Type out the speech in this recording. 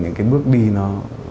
những cái bước đi nó